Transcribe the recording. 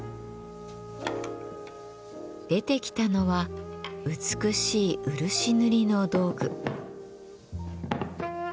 出てきたのは美しい漆塗りの道具。